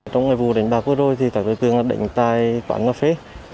trong ngày vụ đánh bạc vừa rồi thì các đối tượng đã đánh tại quán cà phê